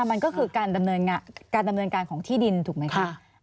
มันก็คือการดำเนินการของที่ดินถูกไหมคะ